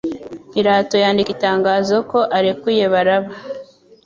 Pilato yandika itangazo ko arekuye baraba